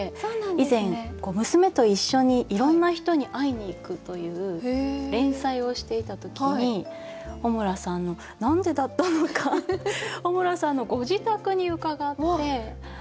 以前娘と一緒にいろんな人に会いにいくという連載をしていた時に穂村さんの何でだったのか穂村さんのご自宅に伺って。